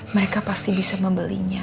mereka pasti bisa membelinya